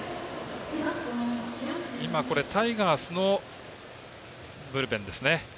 今タイガースのブルペンです。